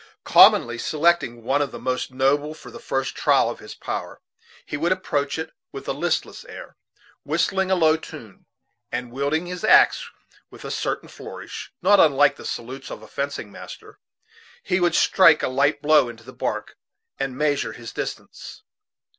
Commonly selecting one of the most noble for the first trial of his power, he would approach it with a listless air, whistling a low tune; and wielding his axe with a certain flourish, not unlike the salutes of a fencing master, he would strike a light blow into the bark, and measure his distance.